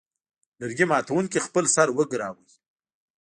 لرګي ماتوونکي خپل سر وګراوه.